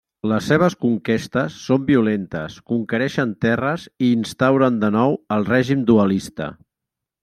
Les seves conquestes són violentes, conquereixen terres i instauren de nou el règim dualista.